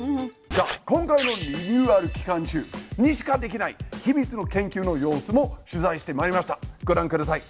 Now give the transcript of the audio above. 今回のリニューアル期間中にしかできないヒミツの研究の様子も取材してまいりましたご覧ください。